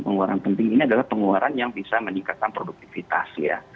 pengeluaran penting ini adalah pengeluaran yang bisa meningkatkan produktivitas ya